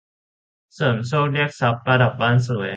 เสริมโชคเรียกทรัพย์ประดับบ้านสวย